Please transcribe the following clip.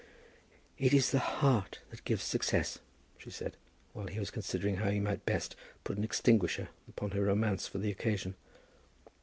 "It is the heart that gives success," she said, while he was considering how he might best put an extinguisher upon her romance for the occasion.